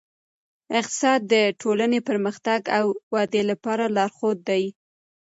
اقتصاد د ټولنې پرمختګ او ودې لپاره لارښود دی.